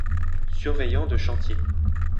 Surveillant de chantier.